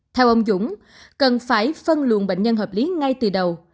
theo ông dũng cần phải phân luồng bệnh nhân hợp lý ngay từ đầu